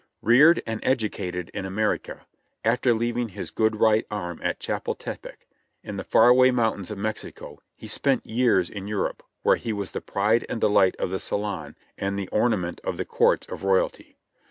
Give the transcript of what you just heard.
Reared and educated in America, after leaving his good right arm at Chapultepec in the far away mountains of Mexico, he spent years in Europe, where he was the pride and delight of the Salon and the ornament of the courts of royalty.